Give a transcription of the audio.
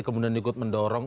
kemudian diikut mendorong